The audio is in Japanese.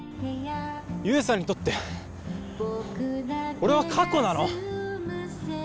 悠さんにとって俺は過去なの？